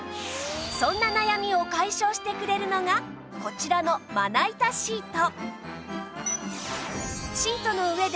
そんな悩みを解消してくれるのがこちらのまな板シート